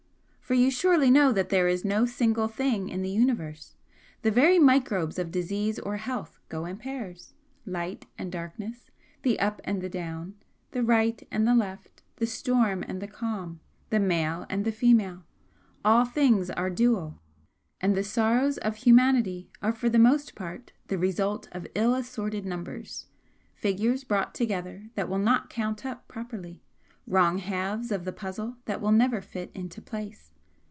"For you surely know there is no single thing in the Universe. The very microbes of disease or health go in pairs. Light and darkness, the up and the down, the right and the left, the storm and the calm, the male and the female, all things are dual; and the sorrows of humanity are for the most part the result of ill assorted numbers, figures brought together that will not count up properly wrong halves of the puzzle that will never fit into place.